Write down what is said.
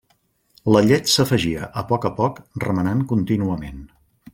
La llet s'afegia a poc a poc remenant contínuament.